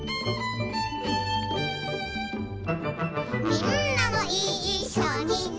「みんなもいっしょにね」